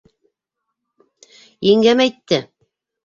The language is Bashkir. — Еңгәм әйтте.